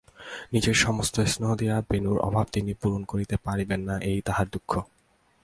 নিজের সমস্ত স্নেহ দিয়াও বেণুর অভাব তিনি পূরণ করিতে পরিবেন না এই তাঁহার দুঃখ।